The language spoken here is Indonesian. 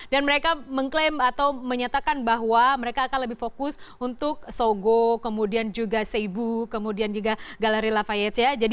dan mereka mengklaim atau menyatakan bahwa mereka akan lebih fokus untuk sogo kemudian juga cebu kemudian juga galeri lafayette ya